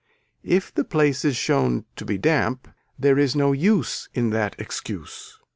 If the place is shown to be damp there is no use in that excuse.